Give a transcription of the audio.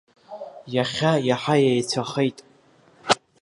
Иахьа иаҳа еицәахеит.